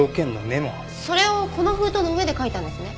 それをこの封筒の上で書いたんですね。